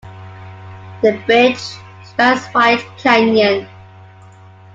The bridge spans White Canyon.